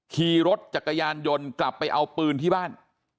ขี่รถจักรยานยนต์กลับไปเอาปืนที่บ้าน